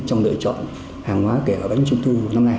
trong lựa chọn hàng hóa kể cả bánh trung thu năm nay